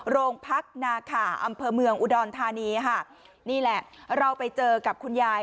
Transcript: โรงพักนาขาอำเภอเมืองอุดรธานีค่ะนี่แหละเราไปเจอกับคุณยาย